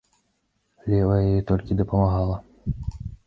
Левая ёй толькі дапамагала.